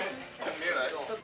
見えない？